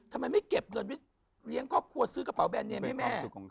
ทำไมไม่เก็บเงินไว้เลี้ยงครอบครัวซื้อกระเป๋าแบรนเนมให้แม่